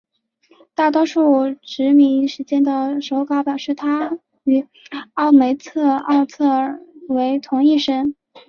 大多数殖民时期的手稿表示她与奥梅特奥特尔为同一神。